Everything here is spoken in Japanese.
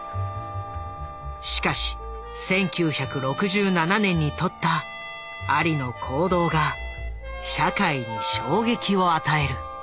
しかし１９６７年にとったアリの行動が社会に衝撃を与える。